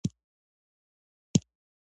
ژوندي د ژوند ارزښت پېژني